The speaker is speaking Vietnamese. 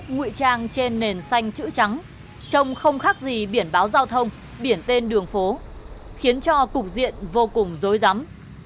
ngụy trang trên nền xanh chữ trắng trông không khác gì biển báo giao thông biển tên đường phố khiến cho cục diện vô cùng dối rắm